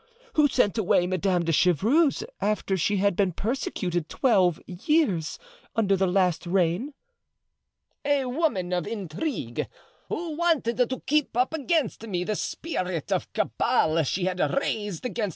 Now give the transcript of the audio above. Who sent away Madame de Chevreuse after she had been persecuted twelve years under the last reign?" "A woman of intrigue, who wanted to keep up against me the spirit of cabal she had raised against M.